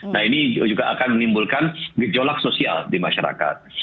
nah ini juga akan menimbulkan gejolak sosial di masyarakat